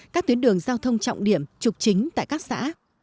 các tuyến đường giao thông trọng điểm trục chính tại các xã